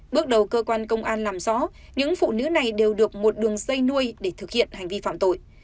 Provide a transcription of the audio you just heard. bước đầu cơ quan công an làm rõ những phụ nữ này đều được một đường dây nuôi để thực hiện hành vi phạm tội